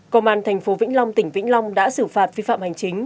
công an thành phố vĩnh long tỉnh vĩnh long đã xử phạt vi phạm hành chính